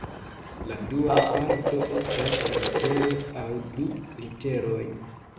La dua parto estas litero aŭ du literoj.